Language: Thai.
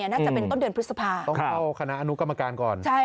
น่าจะเป็นต้นเดือนพฤษภาต้องเข้าคณะอนุกรรมการก่อน